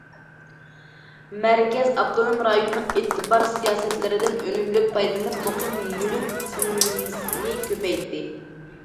مەركەز، ئاپتونوم رايوننىڭ ئېتىبار سىياسەتلىرىدىن ئۈنۈملۈك پايدىلىنىپ، مۇقىم مۈلۈك سېلىنمىسىنى كۆپەيتتى.